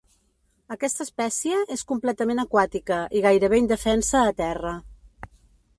Aquesta espècie és completament aquàtica i gairebé indefensa a terra.